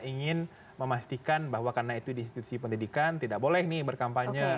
ingin memastikan bahwa karena itu di institusi pendidikan tidak boleh nih berkampanye